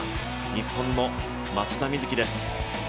日本の松田瑞生です。